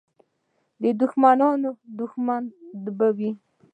د دښمنانو دښمن به وي.